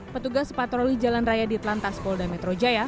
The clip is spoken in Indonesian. pertugas patroli jalan raya di atlantas polda metro jaya